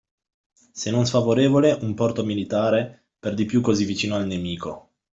Se non sfavorevole, un porto militare, per di più così vicino al nemico.